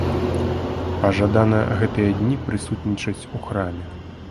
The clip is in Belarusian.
Пажадана гэтыя дні прысутнічаць у храме.